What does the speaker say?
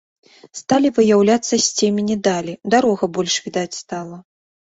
Сталі выяўляцца з цемені далі, дарога больш відаць стала.